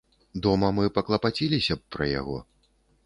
Дома мы паклапаціліся б пра яго.